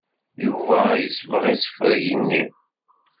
Yuba yesbeɣ isefreg-nni.